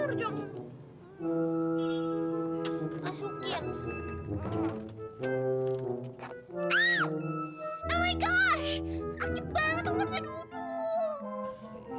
sakit banget aku gak bisa duduk